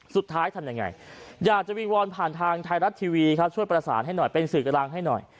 ทำยังไงอยากจะวิงวอนผ่านทางไทยรัฐทีวีครับช่วยประสานให้หน่อยเป็นสื่อกำลังให้หน่อย